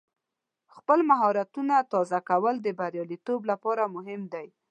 خپل مهارتونه تازه کول د بریالیتوب لپاره مهم دی.